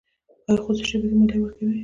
آیا خصوصي شبکې مالیه ورکوي؟